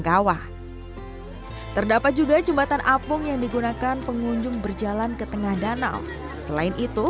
kawah terdapat juga jembatan apung yang digunakan pengunjung berjalan ke tengah danau selain itu